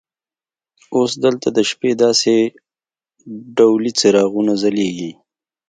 اوس دلته د شپې داسې ډولي څراغونه ځلیږي.